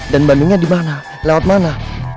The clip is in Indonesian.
dan bandingnya dimana lewat mana